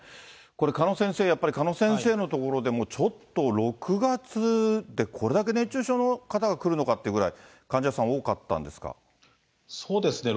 これ、鹿野先生、やっぱり鹿野先生のところでも、ちょっと６月でこれだけ熱中症の方が来るのかってぐらい、そうですね。